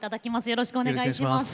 よろしくお願いします。